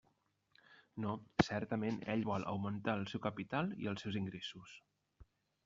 No, certament, ell vol augmentar el seu capital i els seus ingressos.